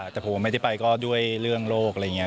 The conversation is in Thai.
แต่ผมไม่ได้ไปก็ด้วยเรื่องโลกอะไรอย่างนี้